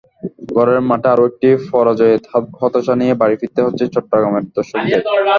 ঘরের মাঠে আরও একটি পরাজয়ের হতাশা নিয়ে বাড়ি ফিরতে হয়েছে চট্টগ্রামের দর্শকদের।